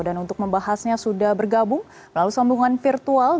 dan untuk membahasnya sudah bergabung melalui sambungan virtual